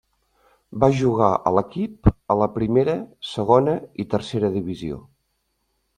Va jugar a l'equip a la primera, segona i tercera divisió.